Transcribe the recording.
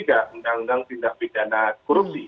undang undang tindak bidana kurusi